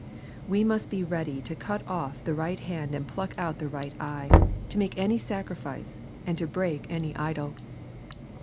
We must be ready to cut off the right hand and pluck out the right eye, to make any sacrifice, and to break any idol.